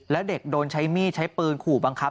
แล้วเด็กโดนใช้มีดใช้ปืนขู่บังคับ